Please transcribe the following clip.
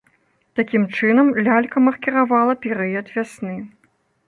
Такім чынам, лялька маркіравала перыяд вясны.